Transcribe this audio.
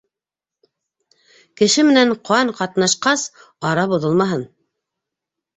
Кеше менән ҡан ҡатнашҡас, ара боҙолмаһын.